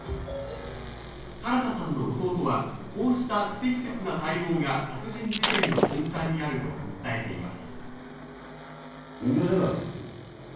唐田さんの弟はこうした不適切な対応が殺人事件の根幹にあると訴えています。